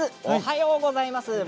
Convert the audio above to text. おはようございます。